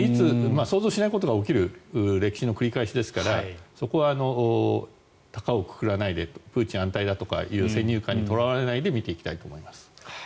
想像しないことが起きる歴史の繰り返しですからそこは高をくくらないでプーチン安泰だとかそういう先入観にとらわれないで見ていきたいと思います。